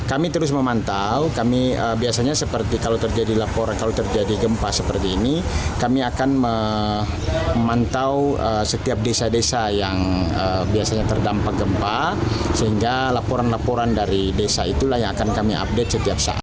kami terus memantau kami biasanya seperti kalau terjadi laporan kalau terjadi gempa seperti ini kami akan memantau setiap desa desa yang biasanya terdampak gempa sehingga laporan laporan dari desa itulah yang akan kami update setiap saat